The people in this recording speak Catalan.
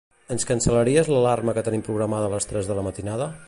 Ens cancel·laries l'alarma que tenim programada a les tres de la matinada?